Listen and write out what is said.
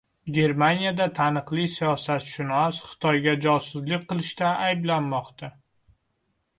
Germaniyada taniqli siyosatshunos Xitoyga josuslik qilishda ayblanmoqda